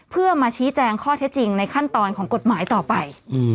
เพื่อมาชี้แจงข้อเท็จจริงในขั้นตอนของกฎหมายต่อไป